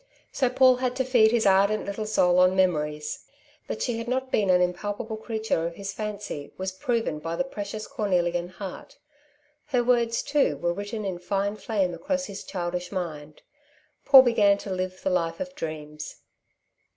So Paul had to feed his ardent little soul on memories. That she had not been an impalpable creature of his fancy was proven by the precious cornelian heart. Her words, too, were written in fine flame across his childish mind. Paul began to live the life of dreams.